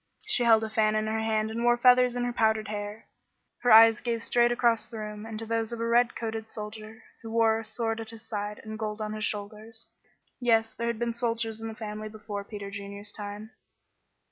She held a fan in her hand and wore feathers in her powdered hair. Her eyes gazed straight across the room into those of a red coated soldier who wore a sword at his side and gold on his shoulders. Yes, there had been soldiers in the family before Peter Junior's time.